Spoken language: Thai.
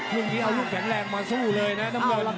ลูกนี้เอาลูกแข็งแรงมาสู้เลยนะน้ำเงิน